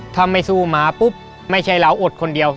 ถ้าไม่สู้หมาปุ๊บไม่ใช่เราอดคนเดียว